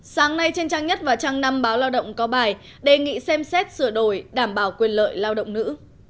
sáng nay trên trang nhất và trang năm báo lao động có bài đề nghị xem xét sửa đổi đảm bảo quyền lợi lao động nữ